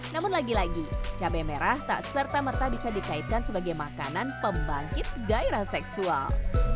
namun lagi lagi cabai merah tak serta merta bisa dikaitkan sebagai makanan pembangkit gairah seksual